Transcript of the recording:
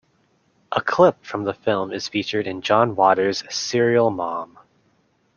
A clip from the film is featured in John Waters's "Serial Mom".